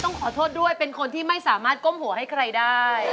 เธอต้องขอโทษด้วยเป็นคนที่ไม่สามารถก้มหัวใครค่ะ